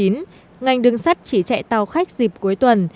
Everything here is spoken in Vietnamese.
ngành đường sắt chỉ chạy tàu khách dịp cuối tuần